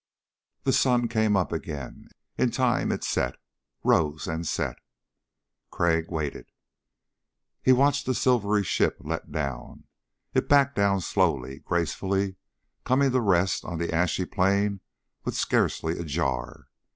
The sun came up again. In time it set. Rose and set. Crag waited. He watched the silvery ship let down. It backed down slowly, gracefully, coming to rest on the ashy plain with scarcely a jar.